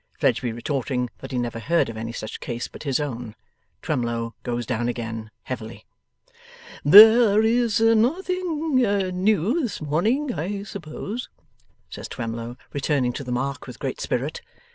Fledgeby retorting that he never heard of any such case but his own, Twemlow goes down again heavily. 'There is nothing new this morning, I suppose?' says Twemlow, returning to the mark with great spirit.